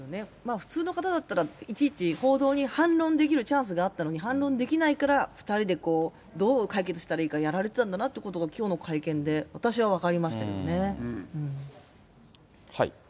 普通の方だったら、いちいち報道に反論できるチャンスがあったのに、反論できないから、２人で、どう解決されたらいいかということをやられてたんだなということを、きょうの会見で、私は分かりましたけどね。